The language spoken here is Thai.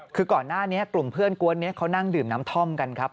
คือก่อนหน้านี้กลุ่มเพื่อนกวนนี้เขานั่งดื่มน้ำท่อมกันครับ